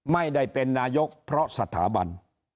ไม่ได้เป็นนายกเพราะสถาบัน